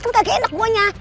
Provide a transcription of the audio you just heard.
kan kaget enak bukanya